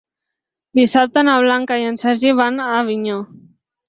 Dissabte na Blanca i en Sergi van a Avinyó.